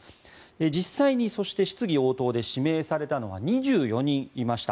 実際に質疑応答で指名されたのは２４人いました。